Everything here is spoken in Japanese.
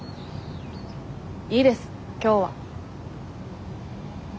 いいです今日は。